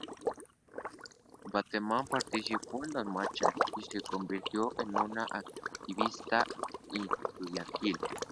Bateman participó en las marchas y se convirtió en activista estudiantil.